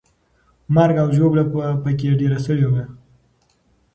مرګ او ژوبله به پکې ډېره سوې وه.